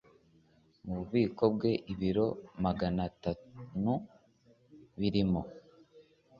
mu bubiko bwe ibiro magana atanu birimo